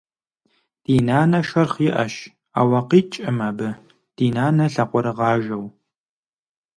Ди нанэ шэрхъ иӏэщ, ауэ къикӏкъым абы, ди нанэ лъакъуэрыгъажэу.